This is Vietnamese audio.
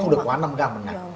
không được quá năm gram hằng ngày